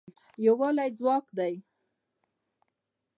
یووالی ځواک دی